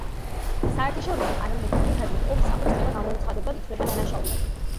საერთაშორისო კანონების მიხედვით ომის წამოწყება გამოუცხადებლად, ითვლება დანაშაულად.